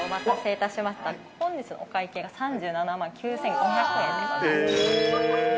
本日お会計が３７万９５００円です。